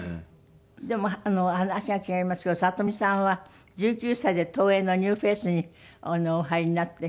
でも話が違いますけど里見さんは１９歳で東映のニューフェイスにお入りになって。